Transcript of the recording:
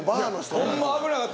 ほんま危なかった。